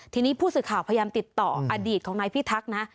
ทีนี้ผู้สื่อข่าวพยายามติดต่ออดีตของนายพิทักษ์นะ